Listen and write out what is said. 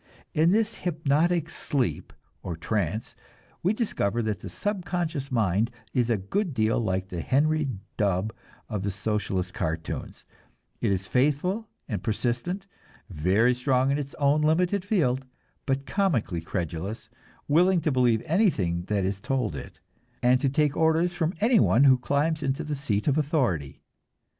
In this hypnotic sleep or "trance" we discover that the subconscious mind is a good deal like the Henry Dubb of the Socialist cartoons; it is faithful and persistent, very strong in its own limited field, but comically credulous, willing to believe anything that is told it, and to take orders from any one who climbs into the seat of authority.